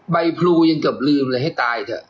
พลูยังเกือบลืมเลยให้ตายเถอะ